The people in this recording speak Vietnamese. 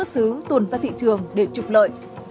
các đối tượng cũng tuồn ra thị trường để trục lợi